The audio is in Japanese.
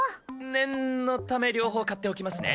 念のため両方買っておきますね。